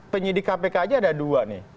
penyidik kpk aja ada dua nih